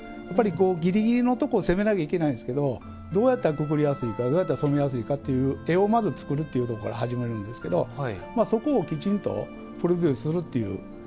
ギリギリのところを攻めなきゃいけないんですけどどうやったら、くくりやすいかどうやったらやりやすいかという絵を作るところからはじめるんですけどそこをきちんとするプロデューサーするっていう。